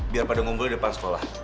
biar pada ngumpulin depan sekolah